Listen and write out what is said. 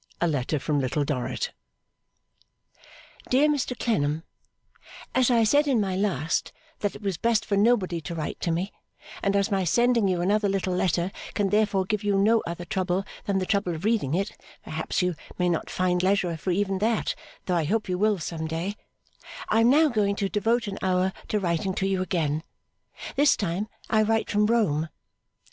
A Letter from Little Dorrit Dear Mr Clennam, As I said in my last that it was best for nobody to write to me, and as my sending you another little letter can therefore give you no other trouble than the trouble of reading it (perhaps you may not find leisure for even that, though I hope you will some day), I am now going to devote an hour to writing to you again. This time, I write from Rome.